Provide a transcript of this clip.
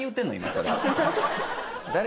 それ。